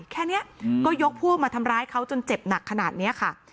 แค่นี้ก็ยกพวกมาทำร้ายเขาจนเจ็บหนักขนาดนี้ค่ะ